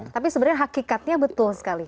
tapi sebenarnya hakikatnya betul sekali